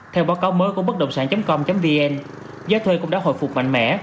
theo báo cáo mới của bấtđộngsản com vn giá thuê cũng đã hồi phục mạnh mẽ